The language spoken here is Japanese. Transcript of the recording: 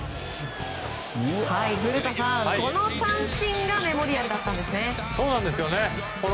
古田さん、この三振がメモリアルだったんですよね。